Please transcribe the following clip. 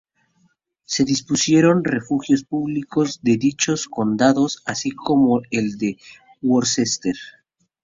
Se dispusieron refugios públicos en dichos condados, así como en el de Worcester.